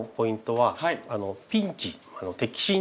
はい。